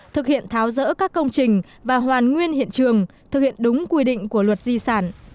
thực hiện tháo rỡ các công trình và hoàn nguyên hiện trường thực hiện đúng quy định của luật di sản